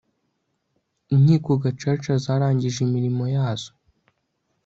inkiko gacaca zarangije imirimo yazo